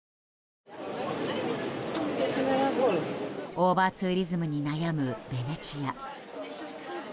オーバーツーリズムに悩むベネチア。